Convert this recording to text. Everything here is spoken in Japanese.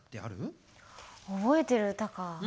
覚えてる歌か。